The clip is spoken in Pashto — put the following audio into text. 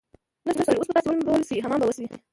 نرسې وویل: اوس به تاسي ولمبول شئ، حمام به وشی.